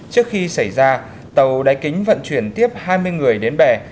trước khi xảy ra tàu đáy kính vận chuyển tiếp hai mươi người đến bè